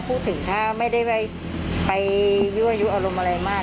พูดถึงถ้าไม่ได้ไปยั่วยุอารมณ์อะไรมาก